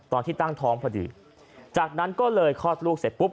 ตอนที่ตั้งท้องพอดีจากนั้นก็เลยคลอดลูกเสร็จปุ๊บ